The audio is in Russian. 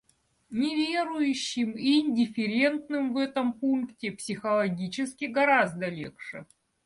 Неверующим и индифферентным в этом пункте психологически гораздо легче.